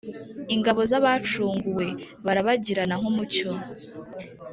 Ingabo z’ abacunguwe, Barabagirana nk’ umucyo